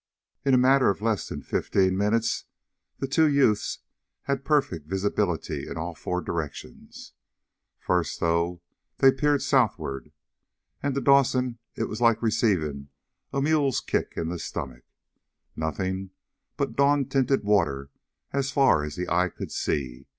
In a matter of less than fifteen minutes the two youths had perfect visibility in all four directions. First, though, they peered southward. And to Dawson it was like receiving a mule's kick in the stomach. Nothing but dawn tinted water as far as the eye could see.